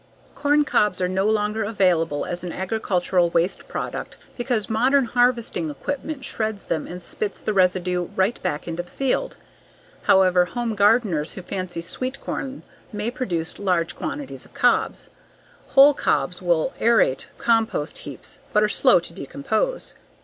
_ Corncobs are no longer available as an agricultural waste product because modern harvesting equipment shreds them and spits the residue right back into the field. However, home gardeners who fancy sweet corn may produce large quantities of cobs. Whole cobs will aerate compost heaps but are slow to decompose.